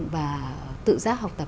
và tự giác học tập